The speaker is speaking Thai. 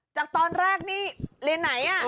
จากตอนแรกนี่เรียนไหน